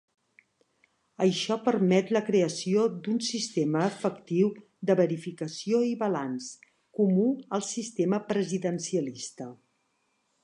Això permet la creació d'un sistema efectiu de verificació i balanç, comú al sistema presidencialista.